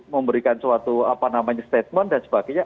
memberikan suatu apa namanya statement dan sebagainya